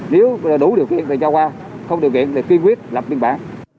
nếu đủ điều kiện thì cho qua không điều kiện thì quyên quyết lập biên bản